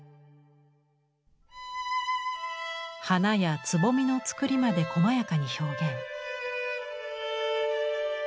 花や蕾のつくりまでこまやかに表現。